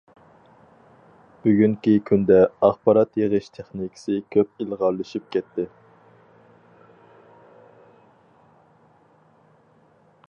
بۈگۈنكى كۈندە ئاخبارات يىغىش تېخنىكىسى كۆپ ئىلغارلىشىپ كەتتى.